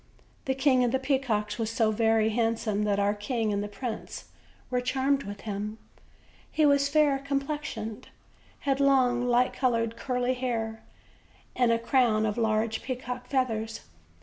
The King of the Peacocks was so very handsome that our king and the prince were charmed with him; he was fair complex ioned, had long light colored curling hair, and a crown of large peacocks' feathers.